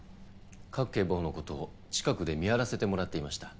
賀来警部補の事を近くで見張らせてもらっていました。